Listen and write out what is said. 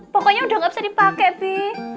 pokoknya udah gak bisa dipake bi